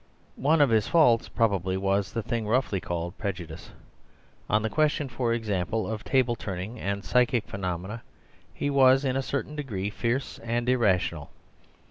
One of his faults probably was the thing roughly called prejudice. On the question, for example, of table turning and psychic phenomena he was in a certain degree fierce and irrational.